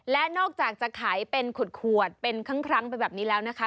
และนอกจากจะขายเป็นขวดเป็นครั้งไปแบบนี้แล้วนะคะ